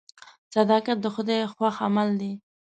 صداقت د خدای خوښ عمل دی.